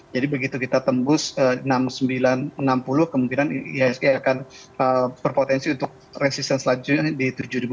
jadi begitu kita tembus enam sembilan ratus enam puluh kemungkinan isk akan berpotensi untuk resisten selanjutnya di tujuh satu ratus dua puluh